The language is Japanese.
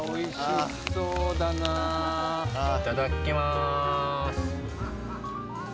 いただきます。